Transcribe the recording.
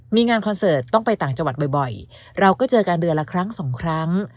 มีงานคอนเสิร์ตต้องไปต่างจังหวัดบ่อยเราก็เจอกันเดือนละครั้งสองครั้ง